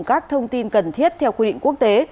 các thông tin cần thiết theo quy định quốc tế